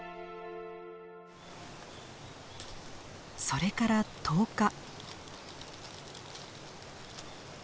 それから１０日。